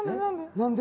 何で？